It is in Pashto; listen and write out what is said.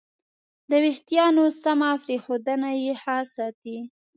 د وېښتیانو سمه پرېښودنه یې ښه ساتي.